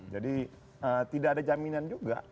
jadi tidak ada jaminan juga